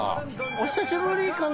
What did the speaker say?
お久しぶりかな。